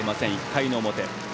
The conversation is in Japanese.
１回の表。